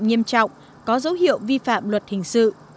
nghiêm trọng có dấu hiệu vi phạm luật hình sự